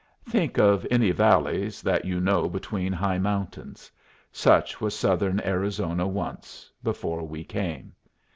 Think of any valleys that you know between high mountains. Such was southern Arizona once before we came.